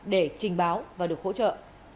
để trình báo và được hỗ trợ